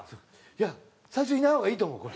いや最初いない方がいいと思うこれ。